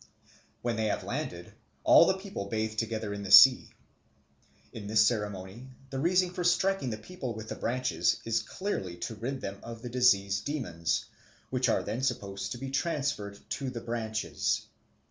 When they have landed, all the people bathe together in the sea. In this ceremony the reason for striking the people with the branches is clearly to rid them of the disease demons, which are then supposed to be transferred to the branches.